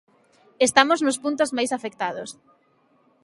Estamos nos puntos máis afectados.